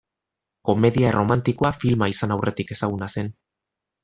Komedia erromantikoa filma izan aurretik ezaguna zen.